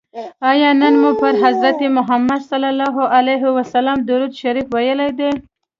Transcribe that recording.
آیا نن مو پر حضرت محمد صلی الله علیه وسلم درود شریف ویلي دی؟